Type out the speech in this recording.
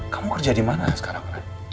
kamu kerja dimana sekarang